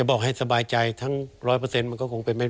ถ้าผลออกมาครั้งนี้กองปราบตัดสินยังไง